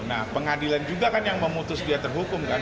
nah pengadilan juga kan yang memutus dia terhukum kan